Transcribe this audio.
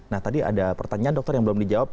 nah tadi ada pertanyaan dokter yang belum dijawab